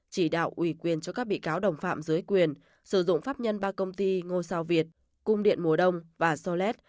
chỉ đạo ủy quyền cho các bị cáo đồng phạm dưới quyền sử dụng pháp nhân ba công ty ngôi sao việt cung điện mùa đông và solet